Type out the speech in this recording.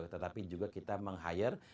tetapi juga kita meng hire